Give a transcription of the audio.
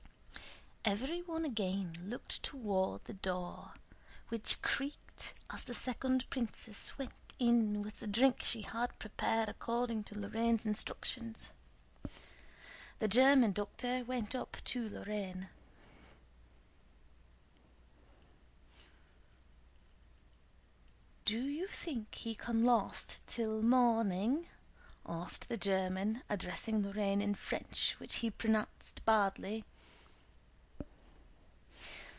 Everyone again looked toward the door, which creaked as the second princess went in with the drink she had prepared according to Lorrain's instructions. The German doctor went up to Lorrain. "Do you think he can last till morning?" asked the German, addressing Lorrain in French which he pronounced badly.